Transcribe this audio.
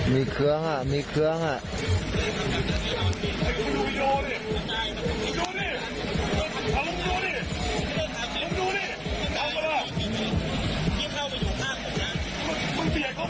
มีเครื่องอ่ะมีเครื่องอ่ะ